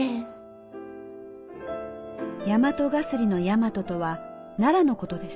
大和絣の「大和」とは奈良のことです。